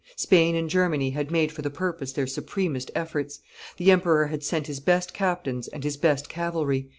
Spain and Germany had made for the purpose their supremest efforts. The emperor had sent his best captains and his best cavalry.